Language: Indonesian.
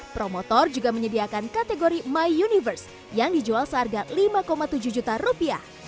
promotor juga menyediakan kategori my universe yang dijual seharga rp lima tujuh ratus